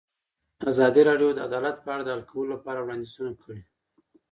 ازادي راډیو د عدالت په اړه د حل کولو لپاره وړاندیزونه کړي.